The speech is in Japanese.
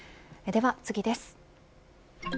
では次です。